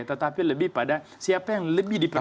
tetapi lebih pada siapa yang lebih diperlukan